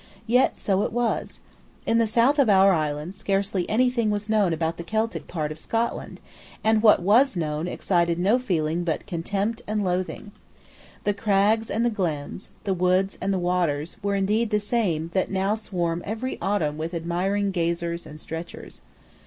Yet so it was. In the south of our island scarcely any thing was known about the Celtic part of Scotland; and what was known excited no feeling but contempt and loathing. The crags and the glens, the woods and the waters, were indeed the same that now swarm every autumn with admiring gazers and stretchers.